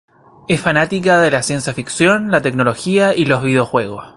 Es fanática de la ciencia ficción, la tecnología y los videojuegos.